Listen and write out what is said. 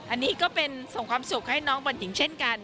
อันนี้ก็เป็นส่งความสุขให้น้องบอลหญิงเช่นกัน